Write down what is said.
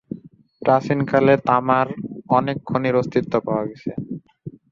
প্রাচীনকালে তামার অনেক খনির অস্তিত্ব পাওয়া গেছে।